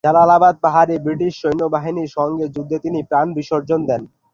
জালালাবাদ পাহাড়ে ব্রিটিশ সৈন্যবাহিনীর সংগে যুদ্ধে তিনি প্রাণ বিসর্জন দেন।